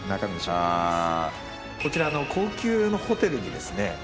こちら高級のホテルにですね